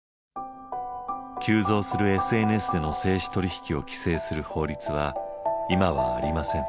急増するＳＮＳでの精子取引を規制する法律は今はありません。